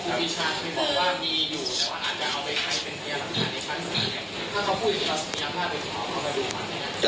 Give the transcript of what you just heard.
ถ้าเขาพูดอย่างนี้เราสัญญามากเลยขอเขาไปดูก่อน